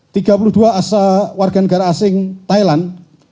tiga puluh dua warga negara asing thailand